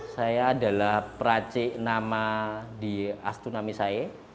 saya adalah peracik nama di astunami sae